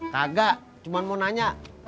kagak cuma mau nanya